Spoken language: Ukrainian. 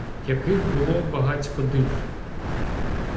Яких було багацько див!